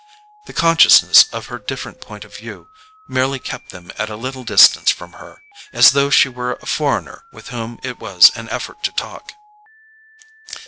The consciousness of her different point of view merely kept them at a little distance from her, as though she were a foreigner with whom it was an effort to talk.